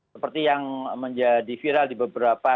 seperti yang menjadi viral di beberapa